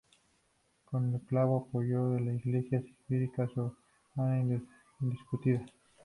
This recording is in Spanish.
Con el claro apoyo de la iglesia, Sibila fue soberana indiscutida.